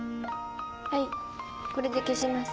はいこれで消します。